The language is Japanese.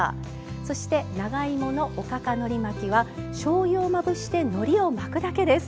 そして長芋のおかかのり巻きはしょうゆをまぶしてのりを巻くだけです。